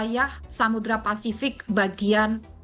wilayah samudera pasifik bagian